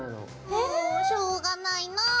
もうしょうがないなぁ。